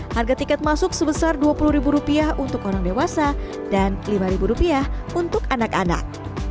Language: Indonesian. harga tiket masuk sebesar dua puluh ribu rupiah untuk orang dewasa dan lima ribu rupiah untuk anak anak